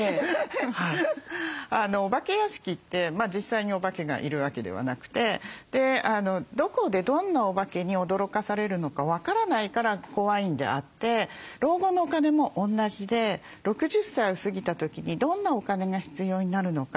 お化け屋敷って実際にお化けがいるわけではなくてどこでどんなお化けに驚かされるのか分からないから怖いんであって老後のお金も同じで６０歳を過ぎた時にどんなお金が必要になるのか。